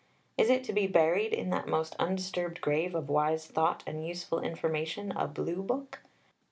Is it to be buried in that most undisturbed grave of wise thought and useful information, a blue book?